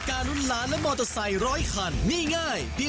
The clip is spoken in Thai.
แต่คุณผู้ชมจะมีสิทธิ์ในเมื่อคุณมีสิทธิ์แล้ว